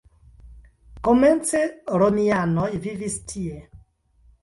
Komence romianoj vivis tie.